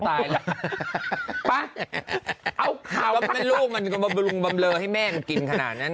ตายแล้วไปเอาเอาแม่ลูกมันมาบรุงบำเลอให้แม่มันกินขนาดนี้